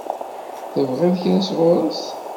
Tebɣiḍ kra sɣur-s?